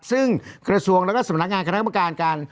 ซึ่งกระทรวงแล้วก็สำนักงานคณะกรรมการการ